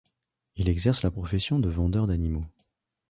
Il exerce la profession de vendeur d'animaux.